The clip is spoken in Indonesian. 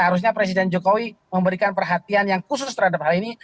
harusnya presiden jokowi memberikan perhatian yang khusus terhadap hal ini